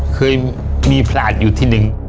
เคยมีพลาดอยู่ที่หนึ่ง